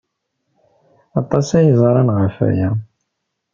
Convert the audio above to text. Aṭas ay ẓran ɣef waya.